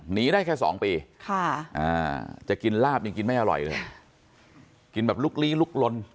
ได้แค่สองปีจะกินลาบยังกินไม่อร่อยเลยกินแบบลุกลี้ลุกลน